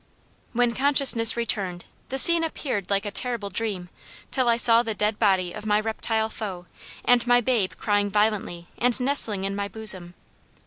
"When consciousness returned, the scene appeared like a terrible dream, till I saw the dead body of my reptile foe and my babe crying violently and nestling in my bosom.